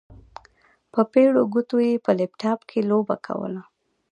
په پېړو ګوتو يې په لپټاپ کې لوبه کوله.